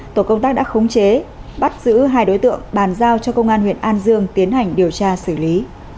tổ công tác đã khống chế bắt giữ hai đối tượng bàn giao cho công an huyện an dương tiến hành điều tra xử lý